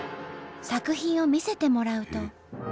作品を見せてもらうと。